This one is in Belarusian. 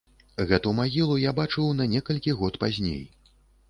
Гэту магілу я бачыў на некалькі год пазней.